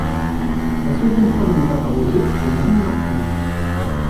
La seconde femme de Papa Roger est Maman Martine.